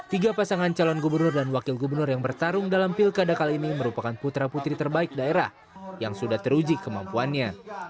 tiga pasangan calon gubernur dan wakil gubernur yang bertarung dalam pilkada kali ini merupakan putra putri terbaik daerah yang sudah teruji kemampuannya